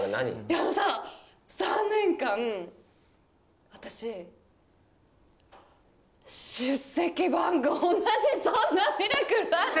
あのさ、３年間、私、出席番号同じ、そんなミラクルある？